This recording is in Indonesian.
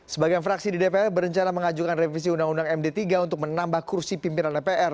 sebagian fraksi di dpr berencana mengajukan revisi undang undang md tiga untuk menambah kursi pimpinan dpr